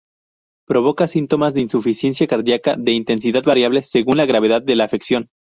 Provoca síntomas de insuficiencia cardiaca de intensidad variable según la gravedad de la afección.